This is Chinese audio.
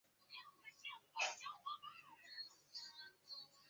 现在人们仍称仁川站为下仁川站。